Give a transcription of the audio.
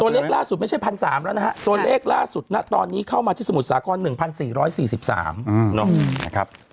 ตัวเลขล่าสุดไม่ใช่พันสามแล้วนะฮะตัวเลขล่าสุดตอนนี้เข้ามาที่สมุทรศาสตร์กร๑๔๔๓